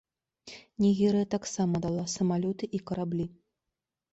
Нігерыя таксама дала самалёты і караблі.